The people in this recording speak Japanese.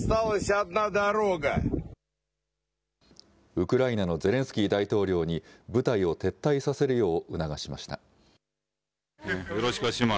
ウクライナのゼレンスキー大統領に部隊を撤退させるよう促しました。